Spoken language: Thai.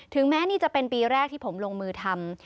แม้นี่จะเป็นปีแรกที่ผมลงมือทำ